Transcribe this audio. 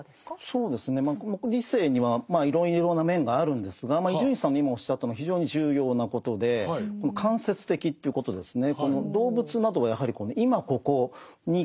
そうですねまあ理性にはいろいろな面があるんですが伊集院さんの今おっしゃったのは非常に重要なことでこの間接的ということですね。